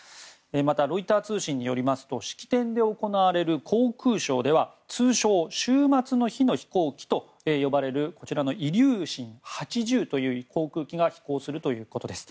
また、ロイター通信によりますと式典で行われる航空ショーでは通称終末の日の飛行機と呼ばれるこちらのイリューシン８０という航空機が飛行するということです。